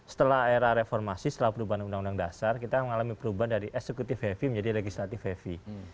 setelah era reformasi setelah perubahan undang undang dasar kita mengalami perubahan dari eksekutif heavy menjadi legislative heavy